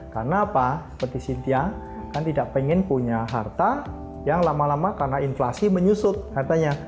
karena apa seperti cynthia kan tidak ingin punya harta yang lama lama karena inflasi menyusut hartanya